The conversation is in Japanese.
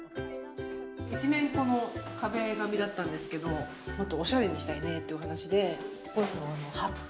一面この壁紙だったんですけどもっとおしゃれにしたいねってお話でこういうのを貼って。